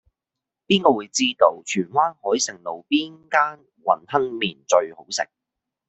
邊個會知道荃灣海盛路邊間雲吞麵最好食